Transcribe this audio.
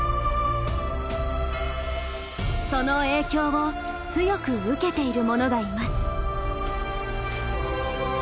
その影響を強く受けているものがいます。